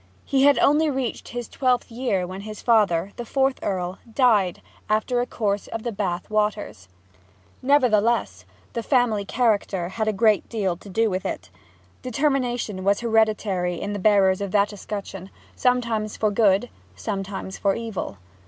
He had only reached his twelfth year when his father, the fourth Earl, died, after a course of the Bath waters. Nevertheless, the family character had a great deal to do with it. Determination was hereditary in the bearers of that escutcheon; sometimes for good, sometimes for evil.